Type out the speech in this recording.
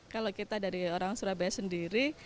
kalau kita dari orang surabaya sendiri